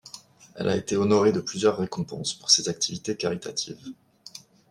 Elle a été honorée de plusieurs récompenses pour ses activités caritatives.